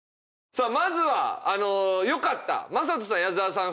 さあまずは良かった魔裟斗さん矢沢さん